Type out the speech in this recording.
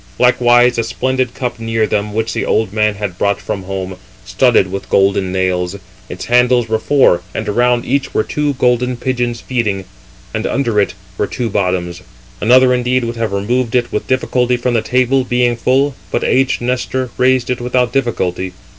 Likewise a splendid cup 382 near them, which the old man had brought from home, studded with golden nails. Its handles were four, and around each were two golden pigeons feeding, and under it were two bottoms. Another indeed would have removed it with difficulty from the table, being full; but aged Nestor raised it without difficulty.